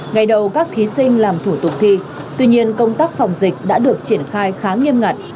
ngày đầu các thí sinh làm thủ tục thi tuy nhiên công tác phòng dịch đã được triển khai khá nghiêm ngặt